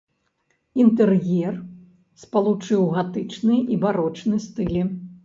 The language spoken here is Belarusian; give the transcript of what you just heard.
Інтэр'ер спалучыў гатычны і барочны стылі.